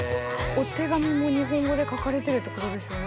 お手紙も日本語で書かれてるってことですよね？